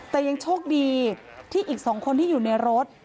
แต่ยังโชคดีที่อีก๒คนที่อยู่ในรถ